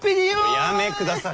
おやめくだされ。